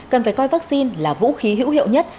cần phải coi vaccine là vũ khí hữu hiệu nhất